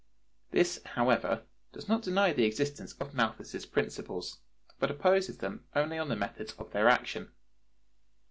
This, however, does not deny the existence of Malthus's principles, but opposes them only on the methods of their action.